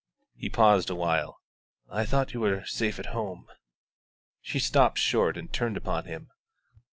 He paused awhile. "I thought you were safe at home." She stopped short and turned upon him.